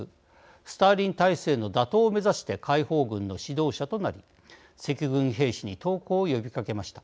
スターリン体制の打倒を目指して解放軍の指導者となり赤軍兵士に投降を呼びかけました。